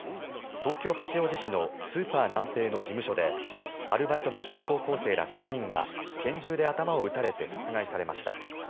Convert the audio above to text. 東京・八王子市のスーパーナンペイの事務所でアルバイトの女子高校生ら３人が拳銃で頭を撃たれて殺害されました。